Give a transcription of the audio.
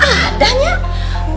bapak di ruang kerjaannya